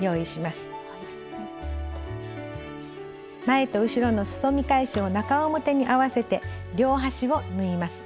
前と後ろのすそ見返しを中表に合わせて両端を縫います。